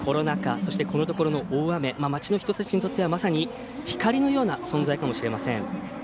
そして、このところの大雨町の人たちにとってはまさに光のような存在かもしれません。